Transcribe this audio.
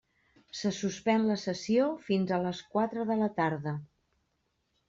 Se suspèn la sessió fins a les quatre de la tarda.